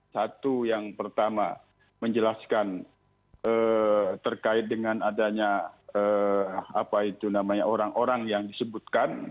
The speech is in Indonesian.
satu yang pertama menjelaskan terkait dengan adanya orang orang yang disebutkan